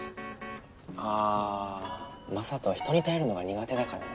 あ雅人は人に頼るのが苦手だからな。